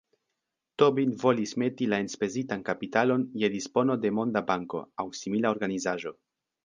Tobin volis meti la enspezitan kapitalon je dispono de Monda Banko aŭ simila organizaĵo.